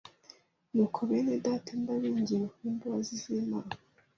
Nuko bene Data, ndabinginga kubw’imbabazi z’Imana